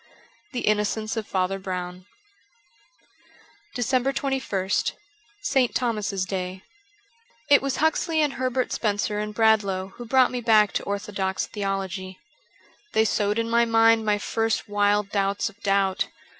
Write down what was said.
^The Innocence of Father Brown.' 393 DECEMBER 21st ST. THOMAS'S DAY IT was Huxley and Herbert Spencer and Brad laugh who brought me back to orthodox theology. They sowed in my mind my first wild doubts of doubt.